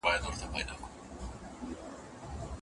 که نکاح صحيح وي نسب چا ته ثابتيږي؟